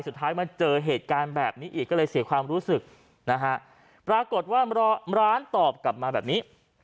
สุดท้ายมาเจอเหตุการณ์แบบนี้อีกก็เลยเสียความรู้สึกนะฮะปรากฏว่าร้านตอบกลับมาแบบนี้